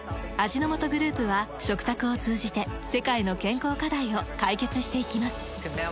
味の素グループは食卓を通じて世界の健康課題を解決していきます。